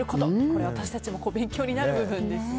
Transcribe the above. これ、私たちも勉強になる部分ですね。